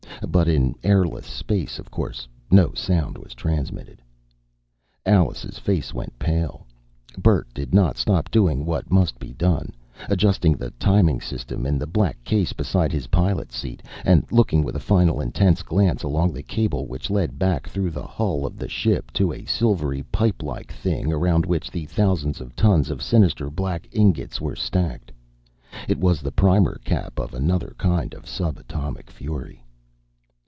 But in airless space, of course, no sound was transmitted. Alice's face went pale. Bert did not stop doing what must be done adjusting the timing system in the black case beside his pilot seat, and looking with a final, intense glance along the cable which led back through the hull of the ship to a silvery, pipelike thing around which the thousands of tons of sinister black ingots were stacked. It was the primer cap of another kind of subatomic fury.